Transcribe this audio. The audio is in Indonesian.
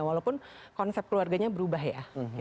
walaupun konsep keluarganya berubah ya